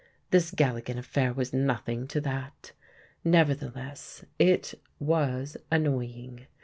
This Galligan affair was nothing to that. Nevertheless, it was annoying.